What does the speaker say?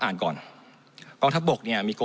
มันตรวจหาได้ระยะไกลตั้ง๗๐๐เมตรครับ